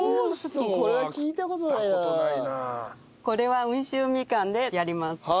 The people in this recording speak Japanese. これは温州みかんでやります。